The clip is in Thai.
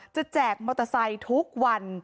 แจกมอเตอร์ไซค์ทุกวัน